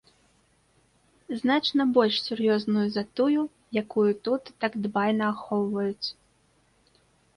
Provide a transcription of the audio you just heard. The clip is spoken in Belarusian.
Значна больш сур'ёзную за тую, якую тут так дбайна ахоўваюць.